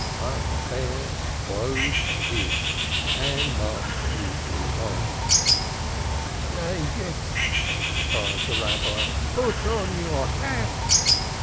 But Bear closed his and marched mutely on. "Heathen," cried the Rabbi. "Put on your hat."